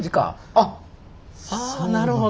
あなるほど。